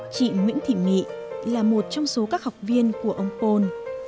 chị nguyễn thị mỹ là một trong số các học viên của ông pol